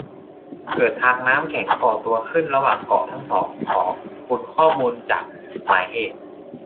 เกิดทางน้ำแข็งก่อตัวขึ้นระหว่างเกาะทั้งสอง ขอบคุณข้อมูลจาก หมายเหตุ